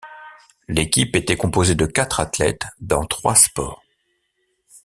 L'équipe était composée de quatre athlètes dans trois sports.